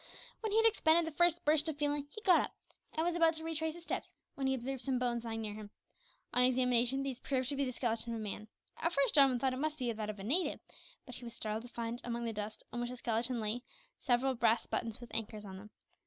When he had expended the first burst of feeling, he got up, and was about to retrace his steps, when he observed some bones lying near him. On examination, these proved to be the skeleton of a man. At first Jarwin thought it must be that of a native; but he was startled to find among the dust on which the skeleton lay several brass buttons with anchors on them.